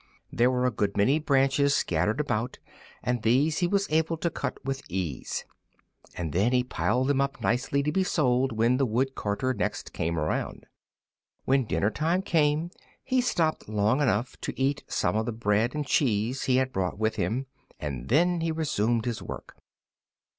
There were a good many branches scattered about, and these he was able to cut with ease; and then he piled them up nicely to be sold when the wood carter next came around. When dinner time came he stopped long enough to eat some of the bread and cheese he had brought with him, and then he resumed his work.